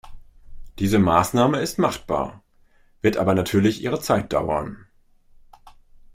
Diese Maßnahme ist machbar, wird aber natürlich ihre Zeit dauern.